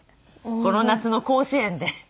この夏の甲子園で。